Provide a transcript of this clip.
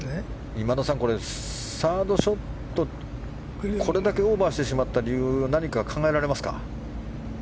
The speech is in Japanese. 今田さん、サードショットがこれだけオーバーしてしまった理由は、何か考えられますか？